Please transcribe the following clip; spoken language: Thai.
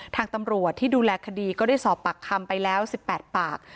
ทางตำรวจที่ดูแลคดีก็ได้สอบปากคำไปแล้ว๑๘ปาก